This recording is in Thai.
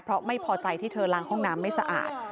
เพราะไม่พอใจที่เธอล้างห้องน้ำไม่สะอาด